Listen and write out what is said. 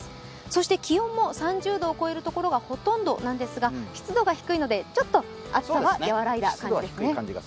そして気温も３０度を超えるところがほとんどなんですが、湿度が低いので、ちょっと暑さが和らいだ感じですね。